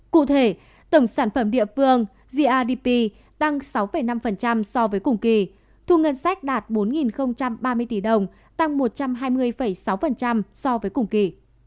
cụ thể tổng sản phẩm địa phương grdp tăng sáu năm so với cùng kỳ thu ngân sách đạt bốn ba mươi tỷ đồng tăng một trăm hai mươi sáu so với cùng kỳ